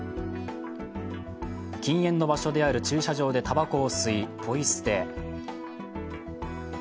禁煙の場所である駐車場でたばこを吸い、ポイ捨て。